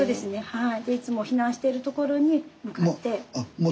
はい。